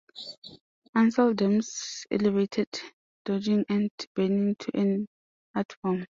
Ansel Adams elevated dodging and burning to an art form.